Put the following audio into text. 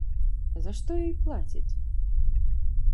За што ёй плацяць?